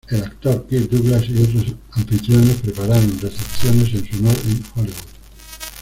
El actor Kirk Douglas y otros anfitriones prepararon recepciones en su honor en Hollywood.